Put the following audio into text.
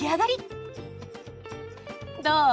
どう？